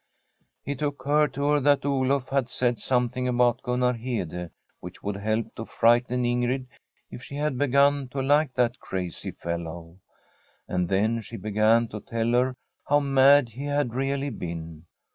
It occurred to her that Oluf had said some thing about Gunnar Hede which would help to frighten Ingrid if she had begun to like that crazy fellow. And then she began to tell her how mad he had really been.